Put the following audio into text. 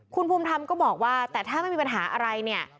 คุณภูมิธรรมก็บอกว่าแต่ถ้าไม่มีปัญหาอะไรเนี่ย